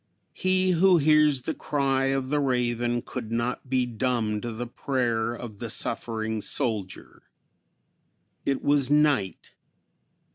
He who hears the cry of the raven could not be dumb to the prayer of the suffering soldier. It was night.